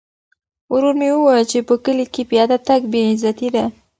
ورور مې وویل چې په کلي کې پیاده تګ بې عزتي ده.